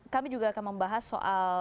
kami juga akan membahas soal